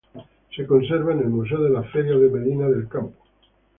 Se conserva en el Museo de las Ferias de Medina del Campo.